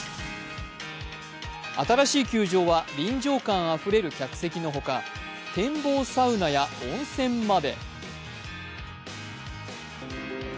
新しい球場は臨場感あふれる客席のほか、展望サウナや温泉まで。